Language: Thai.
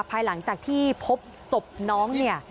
ภายหลังจากที่พบศพน้องเนี่ย